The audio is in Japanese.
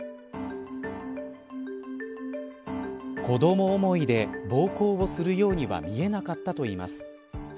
子ども思いで暴行をするようには見えなかったといいます。